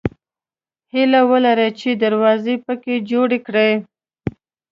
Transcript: هیله ولره چې دروازه پکې جوړه کړې.